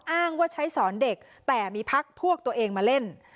อ้างว่าใช้สอนเด็กแต่มีพักพวกตัวเองมาเล่น